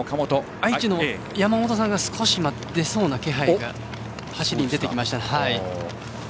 愛知の山本さんが少し出そうな気配が走りに出てきました。